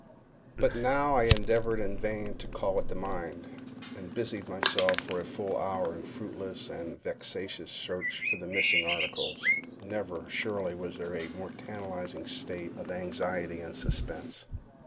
But now I endeavored in vain to call it to mind, and busied myself for a full hour in a fruitless and vexatious search for the missing articles; never, surely, was there a more tantalizing state of anxiety and suspense.